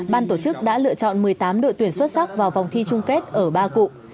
ban tổ chức đã lựa chọn một mươi tám đội tuyển xuất sắc vào vòng thi chung kết ở ba cụ